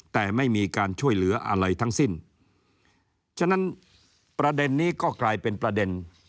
แต่ไม่มีการช่วยเหลืออะไรทั้งสิ้นฉะนั้นประเด็นนี้ก็กลายเป็นประเด็น